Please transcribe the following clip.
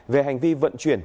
về hành vi vận chuyển